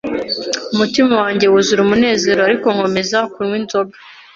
umutima wanjye wuzura umunezero ariko nkomeza kunywa inzoga.